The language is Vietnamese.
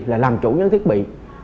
là làm chủ những thiết bị